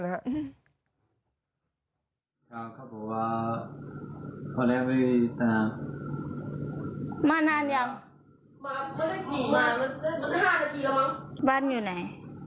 จ้าเขาบอกว่า